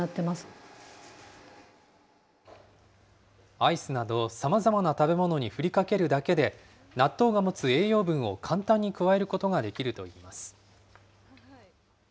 アイスなどさまざまな食べ物に振りかけるだけで、納豆が持つ栄養分を簡単に加えることができるといいます。